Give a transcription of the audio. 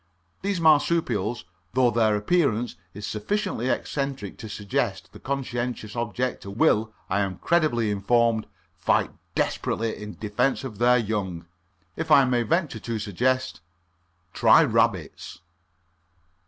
These marsupials, though their appearance is sufficiently eccentric to suggest the conscientious objector, will I am credibly informed fight desperately in defence of their young. If I may venture to suggest, try rabbits.